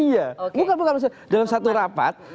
iya bukan bukan dalam satu rapat